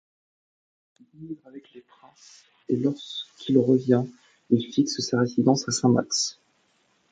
Il émigre avec les princes et lorsqu'il revient, il fixe sa résidence à Saint-Max.